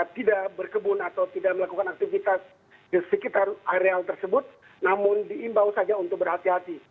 tidak berkebun atau tidak melakukan aktivitas di sekitar areal tersebut namun diimbau saja untuk berhati hati